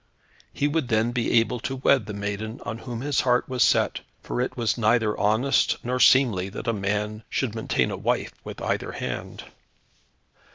He would then be able to wed the maiden on whom his heart was set, for it was neither honest nor seemly that a man should maintain a wife with either hand.